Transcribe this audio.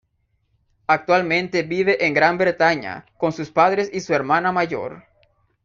Actualmente vive en Gran Bretaña con sus padres y su hermana mayor.